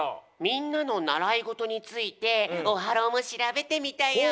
みんなのならいごとについてオハローもしらべてみたよ！